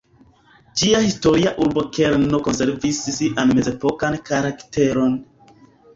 Ĝia historia urbokerno konservis sian mezepokan karakteron.